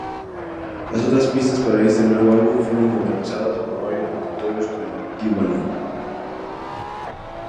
Las otras pistas para este nuevo álbum fueron modernizadas por varios productores, como Timbaland.